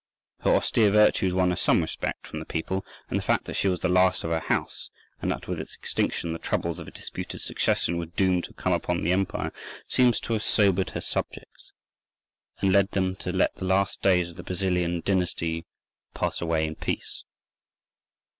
Her austere virtues won her some respect from the people, and the fact that she was the last of her house, and that with its extinction the troubles of a disputed succession were doomed to come upon the empire, seems to have sobered her subjects, and led them to let the last days of the Basilian dynasty pass away in peace.